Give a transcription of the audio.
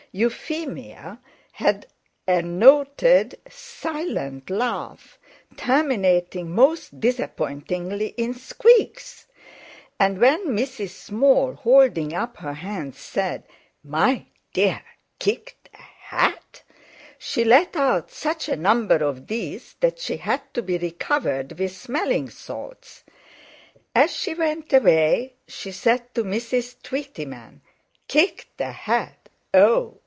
Euphemia had a noted, silent laugh, terminating most disappointingly in squeaks; and when Mrs. Small, holding up her hands, said: "My dear! Kicked a ha at?" she let out such a number of these that she had to be recovered with smelling salts. As she went away she said to Mrs. Tweetyman: "Kicked a—ha at! Oh!